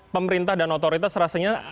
pemerintah dan otoritas rasanya